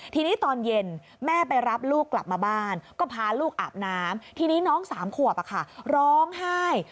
ทีนี้ตอนเย็นแม่ไปรับลูกกลับมาบ้านก็พาลูกอาบน้ำทีนี้น้อง๓ขวบร้องไห้